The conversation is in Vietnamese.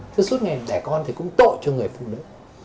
thế suốt ngày đẻ con thì cũng tội cho người phụ nữ